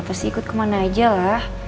pasti ikut ke mana aja lah